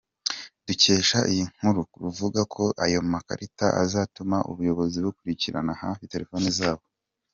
com dukesha iyi nkuru ruvuga ko ayo makarita azatuma ubuyobozi bukurikiranira hafi telefone zabo.